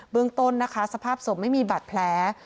เรื่องต้นนะคะสภาพศพไม่มีบาดแผล